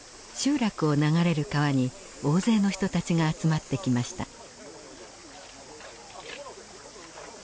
集落を流れる川に大勢の人たちが集まってきました。